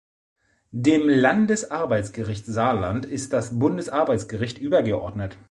Dem Landesarbeitsgericht Saarland ist das Bundesarbeitsgericht übergeordnet.